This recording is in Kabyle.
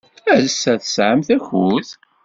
Ass-a, tesɛamt akud?